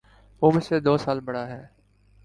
وہ مجھ سے دو سال بڑا ہے